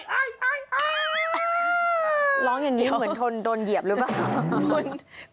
ร้องอย่างนี้เหมือนทนโดนเหยียบหรือเปล่า